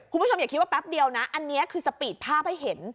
อย่าคิดว่าแป๊บเดียวนะอันนี้คือสปีดภาพให้เห็น